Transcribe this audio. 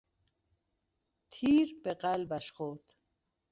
تیر به قلبش خورد.